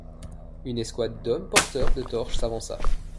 Une escouade d'hommes porteurs de torches s'avança.